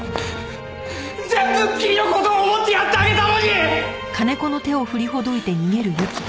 全部君の事を思ってやってあげたのに！！